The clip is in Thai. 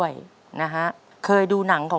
ใช่นักร้องบ้านนอก